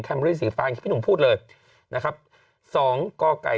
อรี่สีฟ้าอย่างที่พี่หนุ่มพูดเลยนะครับสองกไก่